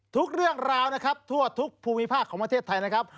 ทุกเรื่องราวนะครับทั่วทุกภูมิภาคของประเทศไทยนะครับ